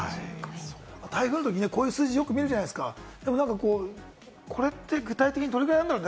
台風のとき、こういう数字よく見るじゃないですか、これって具体的にどのくらいなんだろう？